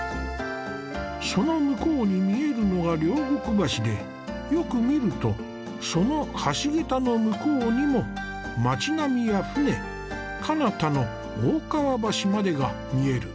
その向こうに見えるのが両国橋でよく見るとその橋桁の向こうにも町並みや舟かなたの大川橋までが見える。